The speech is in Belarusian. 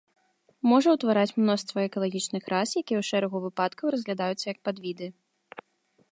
Можа ўтвараць мноства экалагічных рас, якія ў шэрагу выпадкаў разглядаюцца як падвіды.